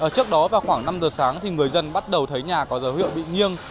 trước đó vào khoảng năm h sáng thì người dân bắt đầu thấy nhà có dấu hiệu bị nghiêng